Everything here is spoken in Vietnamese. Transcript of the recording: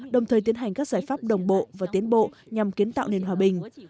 đồng thời tiến hành các giải pháp đồng bộ và tiến bộ nhằm kiến tạo nền hòa bình